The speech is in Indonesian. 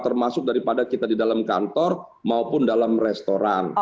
termasuk daripada kita di dalam kantor maupun dalam restoran